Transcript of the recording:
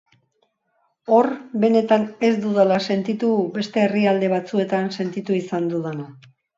Hor benetan ez dudala sentitu beste herrialde batzuetan sentitu izan dudana.